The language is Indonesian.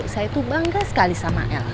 saya tuh bangga sekali sama l